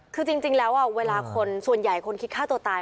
คือจริงแล้วเวลาคนส่วนใหญ่คนคิดฆ่าตัวตาย